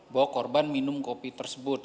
bahwa korban minum kopi tersebut